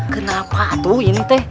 kenapa tuh ini teh